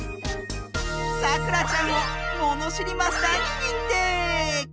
さくらちゃんをものしりマスターににんてい！